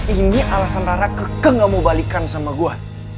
ini alasan rara keke gak mau balikan sama gue